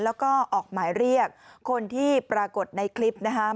แล้วก็ออกหมายเรียกคนที่ปรากฏในคลิปนะครับ